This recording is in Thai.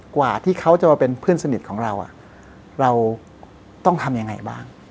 กว่าที่เขาจะมาเป็นเพื่อนสนิทของเราเราต้องทำยังไงบ้าง